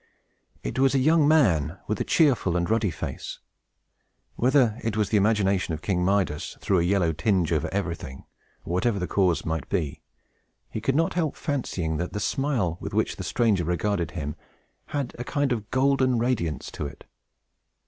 It was a young man, with a cheerful and ruddy face. Whether it was that the imagination of King Midas threw a yellow tinge over everything, or whatever the cause might be, he could not help fancying that the smile with which the stranger regarded him had a kind of golden radiance in it.